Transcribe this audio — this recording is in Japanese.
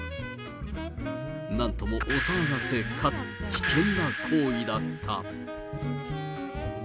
なんともお騒がせかつ危険な行為だった。